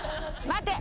待て。